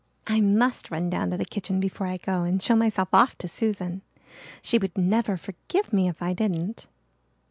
"I must run down to the kitchen before I go and show myself off to Susan. She would never forgive me if I didn't."